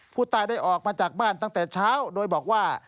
ผู้ตายได้ออกมาจากบ้านตั้งแต่เช้าโดยบอกว่า